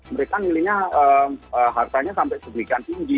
mereka milihnya hartanya sampai sebegikan tinggi